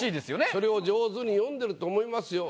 それを上手に詠んでると思いますよ。